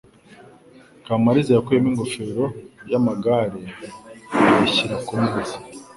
Kamaliza yakuyemo ingofero yamagare ayishyira kumeza.